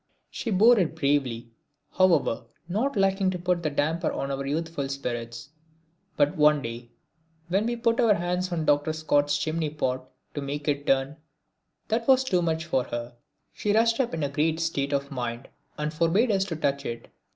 She bore it bravely, however, not liking to put a damper on our youthful spirits. But one day when we put our hands on Dr. Scott's chimneypot to make it turn, that was too much for her. She rushed up in a great state of mind and forbade us to touch it.